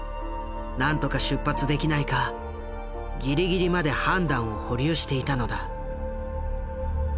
なんとか出発できないかギリギリまで判断を保留していたのだ。